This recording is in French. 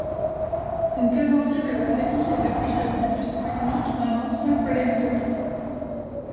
Une plaisanterie de la série est depuis le début Spoutnick, un ancien collègue d'Otto.